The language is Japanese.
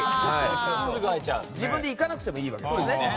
自分で行かなくてもいいわけですね。